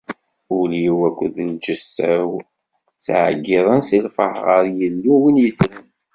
Ul-iw akked lǧetta-w ttɛeyyiḍen si lferḥ ɣer Yillu, win yeddren.